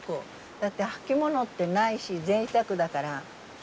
だって履き物ってないしぜいたくだから。